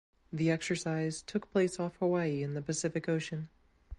The exercise took place off Hawaii in the Pacific Ocean.